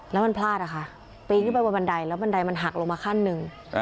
แล้วมันพลาดอะค่ะปีนขึ้นไปบนบันไดแล้วบันไดมันหักลงมาขั้นหนึ่ง